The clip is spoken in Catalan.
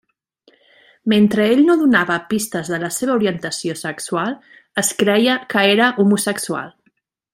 Mentre ell no donava pistes de la seva orientació sexual, es creia que era homosexual.